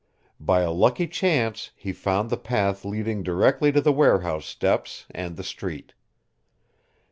By a lucky chance he found the path leading directly to the warehouse steps and the street.